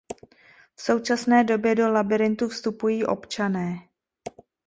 V současné době do labyrintu vstupují občané.